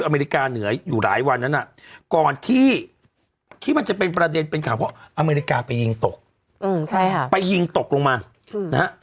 อเมริกาไปยิงตกรองมา